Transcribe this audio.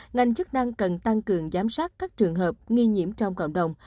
ngành chức năng cần tăng cường giám sát các trường hợp nghi nhiễm trong cộng đồng